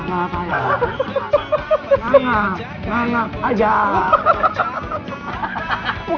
bukan aja boy